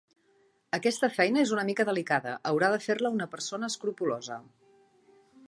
Aquesta feina és una mica delicada, haurà de fer-la una persona escrupolosa.